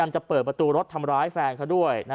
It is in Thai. จะเปิดประตูรถทำร้ายแฟนเขาด้วย